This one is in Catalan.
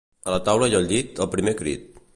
A la taula i al llit al primer crit.